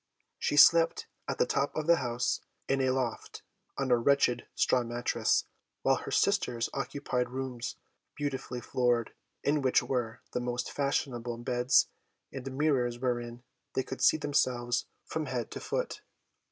She slept at the top of the house, in a loft, on a wretched straw mattress, while her sisters occupied rooms, beautifully floored, in which were the most fashionable beds, and mirrors wherein they could see themselves from head to foot.